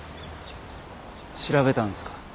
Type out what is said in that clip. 調べたんですか？